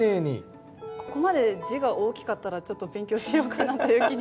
ここまで字が大きかったらちょっと勉強しようかなっていう気に。